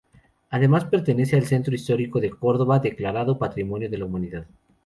Además, pertenece al centro histórico de Córdoba, declarado Patrimonio de la Humanidad.